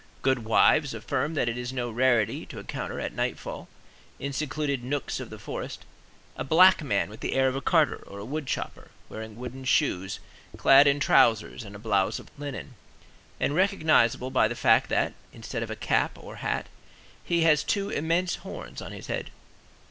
Goodwives affirm that it is no rarity to encounter at nightfall, in secluded nooks of the forest, a black man with the air of a carter or a wood chopper, wearing wooden shoes, clad in trousers and a blouse of linen, and recognizable by the fact, that, instead of a cap or hat, he has two immense horns on his head.